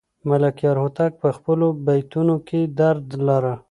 ملکیار هوتک په خپلو بیتونو کې درد لاره.